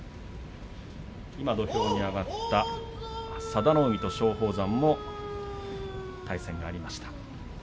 今、土俵に上がった佐田の海と松鳳山も対戦がありました。